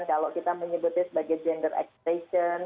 kalau kita menyebutnya sebagai gender expression